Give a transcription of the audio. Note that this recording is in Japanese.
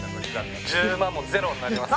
１０万もゼロになります。